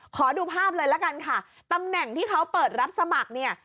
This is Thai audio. ขอดูภาพเลยละกันค่ะตำแหน่งที่เขาเปิดรับสมัครเนี่ย